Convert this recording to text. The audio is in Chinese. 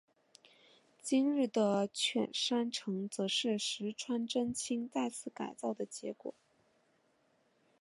今日的犬山城则是石川贞清再次改建的结果。